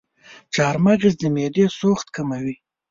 چارمغز د معدې سوخت کموي.